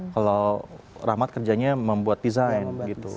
kalau rahmat kerjanya membuat desain gitu